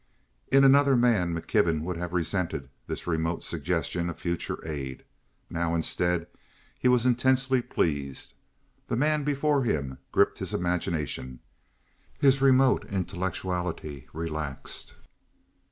In another man McKibben would have resented this remote suggestion of future aid. Now, instead, he was intensely pleased. The man before him gripped his imagination. His remote intellectuality relaxed.